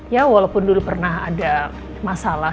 ya walaupun dulu pernah ada masalah